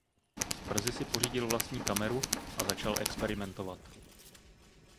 Brzy si pořídil vlastní kameru a začal experimentovat.